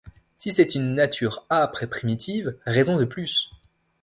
Si c’est une nature âpre et primitive, raison de plus.